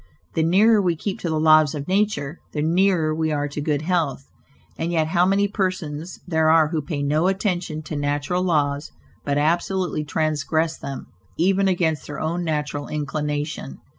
The nearer we keep to the laws of nature, the nearer we are to good health, and yet how many persons there are who pay no attention to natural laws, but absolutely transgress them, even against their own natural inclination.